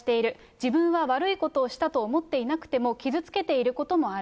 自分は悪いことをしたと思っていなくても、傷つけていることもある。